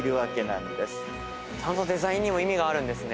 デザインにも意味があるんですね。